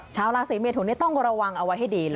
ชาวราศีเมทุนต้องระวังเอาไว้ให้ดีเลย